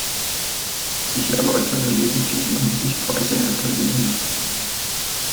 Ich erläutere lediglich meine Sichtweise, Herr Präsident.